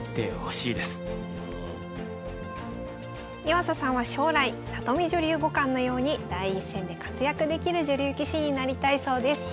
岩佐さんは将来里見女流五冠のように第一線で活躍できる女流棋士になりたいそうです。